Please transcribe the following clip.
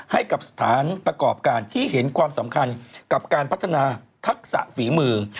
ให้กับสถานประกอบการที่เห็นความสำคัญกับการพัฒนาทักษะฝีมือ